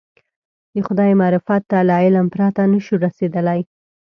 د خدای معرفت ته له علم پرته نه شو رسېدلی.